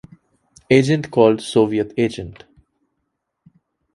Agent called Soviet Agent.